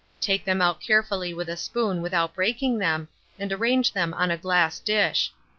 Take them out carefully with a spoon without breaking them, and arrange them on a glass dish.